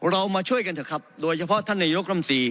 เรามาช่วยกันเถอะครับโดยเฉพาะท่านนายกรัมตรี